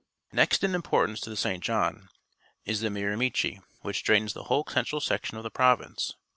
Next in importance to the St. John is the M iramichi , which drains the whole central section of the province.